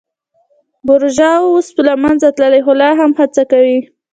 بورژوا اوس له منځه تللې خو لا هم هڅه کوي.